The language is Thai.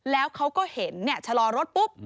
แล้วเขาก็เห็นชะลอรถปุ๊บ